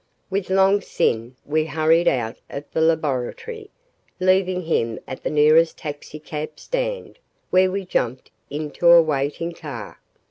With Long Sin we hurried out of the laboratory, leaving him at the nearest taxicab stand, where we jumped into a waiting car.